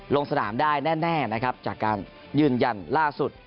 ลงสนามได้แน่นะครับจากการยืนยันล่าสุด